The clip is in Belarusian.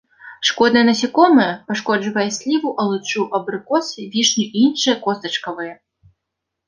Шкоднае насякомае, пашкоджвае сліву, алычу, абрыкосы, вішню і іншыя костачкавыя.